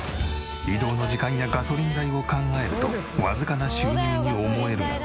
移動の時間やガソリン代を考えるとわずかな収入に思えるが。